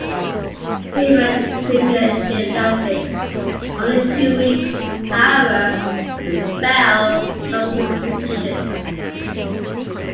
Sewell's premiership lasted only two weeks, however, and Bell lost his position.